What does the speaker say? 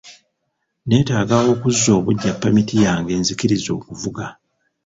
Neetaaga okuzza obuggya pamiti yange enzikiriza okuvuga.